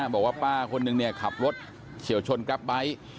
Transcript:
บอกว่าป้าคนหนึ่งขับรถเฉียวชนกราฟไบท์